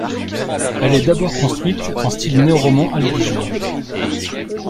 Elle est d'abord construite en style néoroman albigeois.